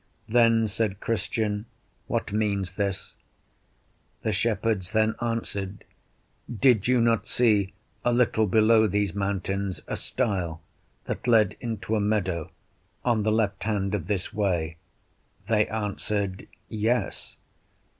Then said Christian, What means this? The shepherds then answered, Did you not see a little below these mountains a stile, that led into a meadow, on the left hand of this way? They answered, Yes.